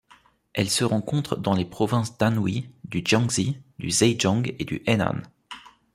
Elle se rencontre dans les provinces d'Anhui, du Jiangxi, du Zhejiang et du Henan.